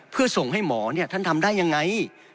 เพื่อส่งให้หมอท่านทำได้ยังไง